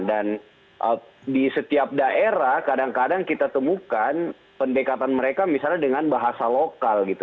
dan di setiap daerah kadang kadang kita temukan pendekatan mereka misalnya dengan bahasa lokal gitu